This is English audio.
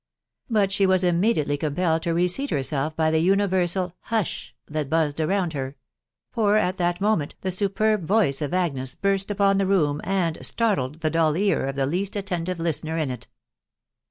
But she was immediately compelled "to reseat herself by the universal " Hush !".... that buzzed around her; for at that moment the superb voice of Agnes burst upon the room, and " startled the dull ear" of the least attentive listener in it.